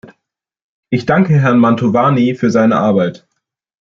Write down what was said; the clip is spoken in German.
Ich danke Herrn Mantovani für seine Arbeit.